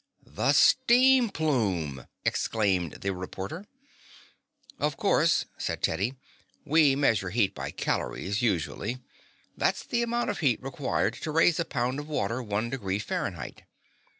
"The steam plume!" exclaimed the reporter. "Of course," said Teddy. "We measure heat by calories usually. That's the amount of heat required to raise a pound of water one degree Fahrenheit.